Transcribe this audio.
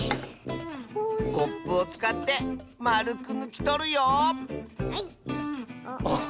コップをつかってまるくぬきとるよはい。